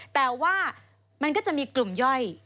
แต่ว่ามันก็จะมีกลุ่มย่อย